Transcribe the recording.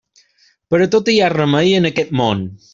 Per a tot hi ha remei en aquest món.